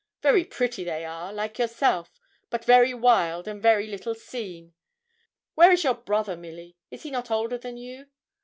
Very pretty they are, like yourself; but very wild, and very little seen. Where is your brother, Milly; is not he older than you?'